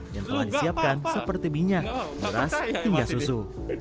yang telah disiapkan seperti minyak beras hingga susu